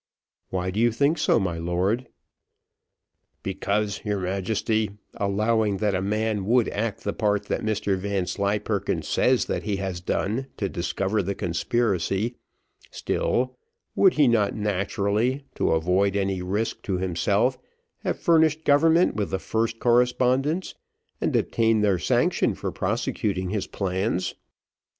"Why do you think so, my lord?" "Because, your Majesty, allowing that a man would act the part that Mr Vanslyperken says that he has done to discover the conspiracy, still, would he not naturally, to avoid any risk to himself, have furnished government with the first correspondence, and obtained their sanction for prosecuting his plans?